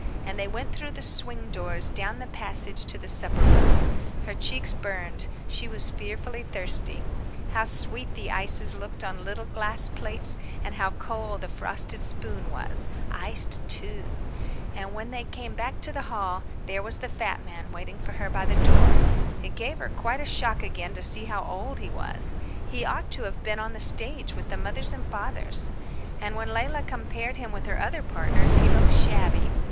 And they went through the swing doors, down the passage, to the supper room. Her cheeks burned, she was fearfully thirsty. How sweet the ices looked on little glass plates and how cold the frosted spoon was, iced too! And when they came back to the hall there was the fat man waiting for her by the door. It gave her quite a shock again to see how old he was; he ought to have been on the stage with the fathers and mothers. And when Leila compared him with her other partners he looked shabby.